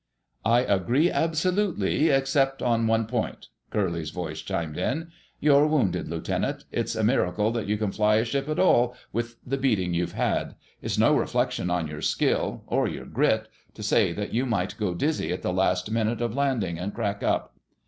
"I agree absolutely, except on one point," Curly's voice chimed in. "You're wounded, Lieutenant. It's a miracle that you can fly a ship at all, with the beating you've had. It's no reflection on your skill—or your grit—to say that you might go dizzy at the last minute of landing, and crack up.